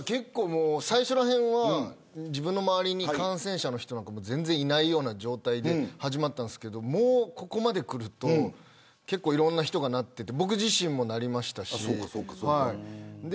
最初らへんは自分の周りに感染者の人は全然いないような状態で始まったんですけどもうここまで来るといろんな人がなっていて僕自身もなりましたし。